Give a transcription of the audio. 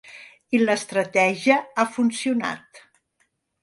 I l'estratègia ha funcionat.